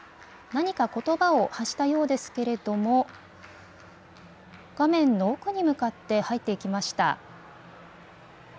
何かことばを発したようですけれども、画面の奥に向かって入っていきました。